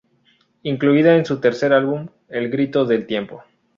Incluida en su tercer álbum, El grito del tiempo.